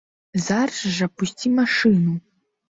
Зараз жа пусці машыну!